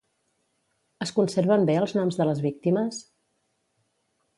Es conserven bé els noms de les víctimes?